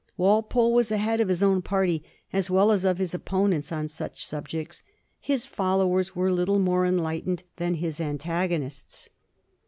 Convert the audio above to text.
Walpole was ahead of his own party as well as of his opponents on such subjects ; his followers were little more enlightened than his antagonists.